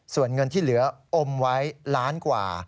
ส่วนเงินที่เหลืออมไว้ล้านกว่า